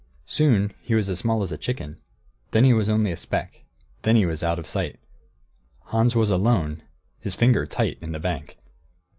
Soon he was as small as a chicken; then he was only a speck; then he was out of sight. Hans was alone, his finger tight in the bank.